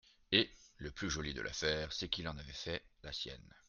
Et, le plus joli de l'affaire, c'est qu'il en avait fait la sienne.